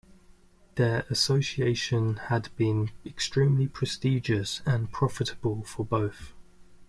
Their association had been extremely prestigious and profitable for both.